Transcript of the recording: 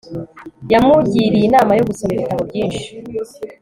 yamugiriye inama yo gusoma ibitabo byinshi